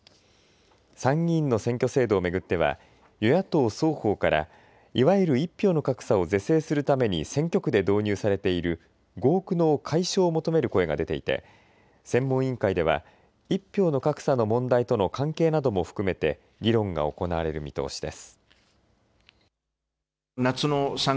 参議院の選挙制度を巡っては与野党双方からいわゆる１票の格差を是正するために選挙区で導入されている合区の解消を求める声が出ていて専門委員会では１票の格差の問題との関係なども含めて議論が行われる見通しです。